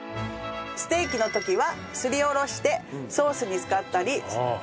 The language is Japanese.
ステーキの時はすりおろしてソースに使ったりします。